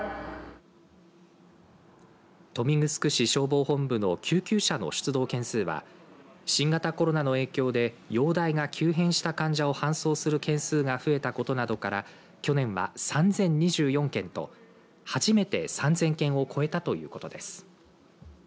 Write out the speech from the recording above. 消防本部の救急車の出動件数は新型コロナの影響で容体が急変した患者を搬送する件数が増えたことなどから去年は３０２４件と初めて３０００件を超えたということです。